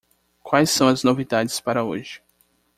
Quais são as novidades para hoje?